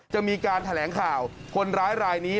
จะมีการแถลงข่าวคนร้ายรายนี้